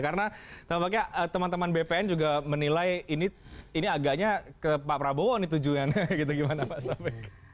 karena tampaknya teman teman bpn juga menilai ini agaknya ke pak prabowo nih tujuannya gitu gimana pak taufik